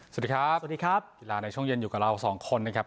สวัสดีครับสวัสดีครับกีฬาในช่วงเย็นอยู่กับเราสองคนนะครับ